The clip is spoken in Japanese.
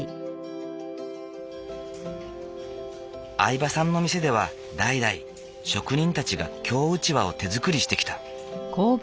饗庭さんの店では代々職人たちが京うちわを手づくりしてきた。